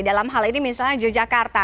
dalam hal ini misalnya yogyakarta